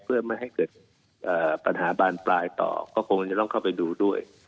เพื่อไม่ให้เกิดปัญหาบานปลายต่อก็คงจะต้องเข้าไปดูด้วย